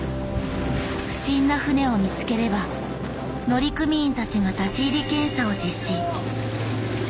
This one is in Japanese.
不審な船を見つければ乗組員たちが立ち入り検査を実施。